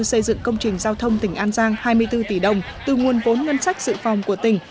xây dựng công trình giao thông tỉnh an giang hai mươi bốn tỷ đồng từ nguồn vốn ngân sách sự phòng của tỉnh